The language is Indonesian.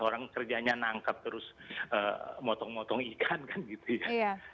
orang kerjanya nangkep terus motong motong ikan kan gitu ya